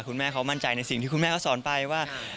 คุณแม่เขามั่นใจในสิ่งที่คุณแม่เขาสอนไปว่า